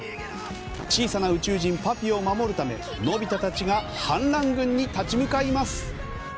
小さな宇宙人、パピを守るためのび太たちが反乱軍に立ち向かいます！